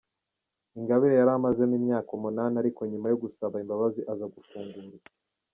Ingabire yari amazemo imyaka umunani ariko nyuma yo gusaba imbabazi aza gufungurwa.